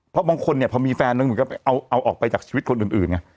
เพราะบางคนเนี้ยพอมีแฟนหนึ่งก็เอาเอาออกไปจากชีวิตคนอื่นอื่นไง